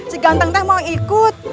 si ganteng teh mau ikut